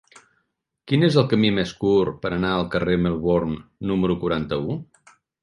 Quin és el camí més curt per anar al carrer de Melbourne número quaranta-u?